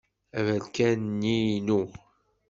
Aberkan-nni inu.